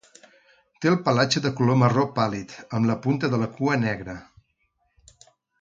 Té el pelatge de color marró pàl·lid, amb la punta de la cua negra.